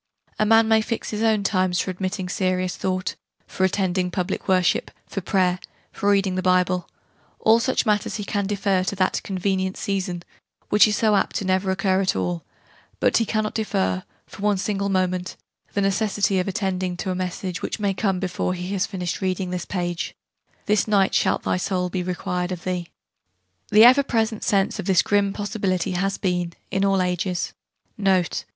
A man may fix his own times for admitting serious thought, for attending public worship, for prayer, for reading the Bible: all such matters he can defer to that 'convenient season', which is so apt never to occur at all: but he cannot defer, for one single moment, the necessity of attending to a message, which may come before he has finished reading this page,' this night shalt thy soul be required of thee.' The ever present sense of this grim possibility has been, in all ages,* Note...